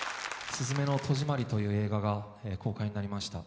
「すずめの戸締まり」という映画が公開になりました。